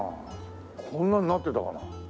こんなになってたかな？